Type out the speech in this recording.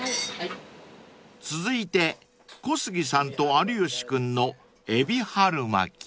［続いて小杉さんと有吉君のえび春巻］